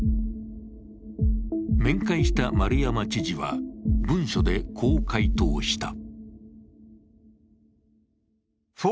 面会した丸山知事は文書でこう回答した。